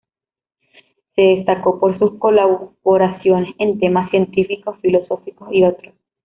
Se destacó por sus colaboraciones en temas científicos, filosóficos y otros.